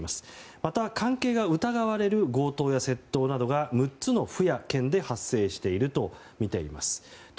また、関係が疑われる強盗や窃盗などが６つの府や県で発生しているとみています。